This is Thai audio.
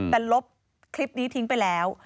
แต่ลบคลิปนี้ทิ้งไปแล้ว